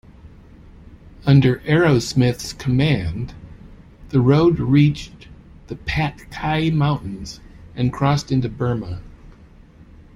Under Arrowsmith's command, the road reached the Patkai mountains and crossed into Burma.